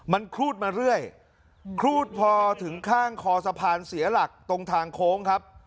มันครูดมาเรื่อยครูดพอถึงข้างคอสะพานเสียหลักตรงทางโค้งครับ